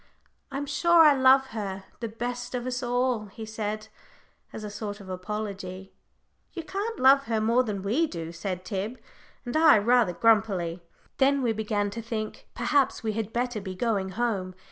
"I'm sure I love her the best of us all," he said, as a sort of apology. "You can't love her more than we do," said Tib and I, rather grumpily. Then we began to think perhaps we had better be going home.